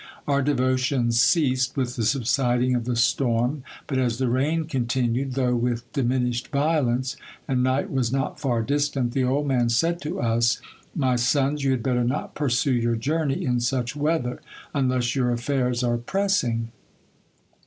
Our devotions ceased with the subsiding of the storm ; but as the rain continued, though with diminished violence, and night was not far distant, the old man said to us — My sons, you had better not pursue your journey in such weather, unless your affairs are pressing.